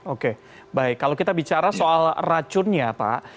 oke baik kalau kita bicara soal racunnya pak